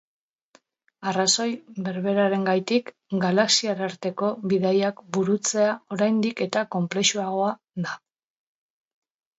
Arrazoi berberarengatik, galaxiarteko bidaiak burutzea oraindik eta konplexuagoa da.